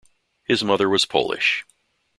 His mother was Polish.